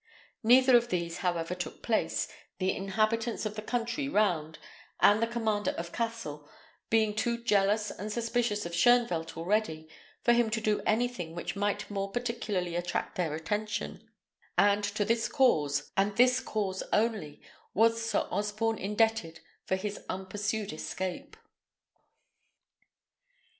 Neither of these, however, took place, the inhabitants of the country round, and the commander of Cassel, being too jealous and suspicious of Shoenvelt already for him to do anything which might more particularly attract their attention; and to this cause, and this cause only, was Sir Osborne indebted for his unpursued escape.